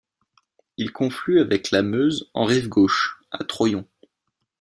Il conflue avec la Meuse en rive gauche, à Troyon.